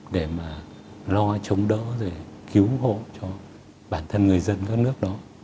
để mà lo chống đỡ để cứu ủng hộ cho bản thân người dân các nước đó